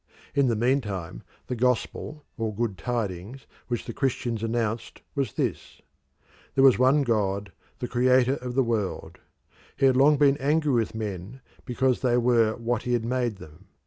In the meantime the gospel or good tidings which the Christians announced was this. There was one God, the Creator of the world. He had long been angry with men because they were what he had made them.